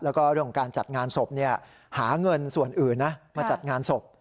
แล้วก็เรื่องของการจัดงานศพหาเงินส่วนอื่นนะมาจัดงานศพ